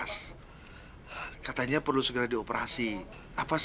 damange tu ichagitas